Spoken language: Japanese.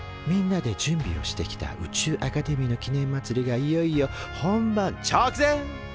みんなで準備をしてきた宇宙アカデミーの記念まつりがいよいよ本番ちょくぜん。